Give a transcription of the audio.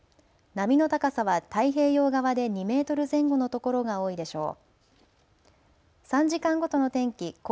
波の高さは太平洋側で２メートル前後の所が多いでしょう。